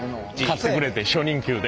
買ってくれてん初任給で。